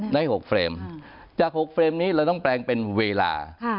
ได้หกเฟรมอ่าจากหกเฟรมนี้เราต้องแปลงเป็นเวลาค่ะ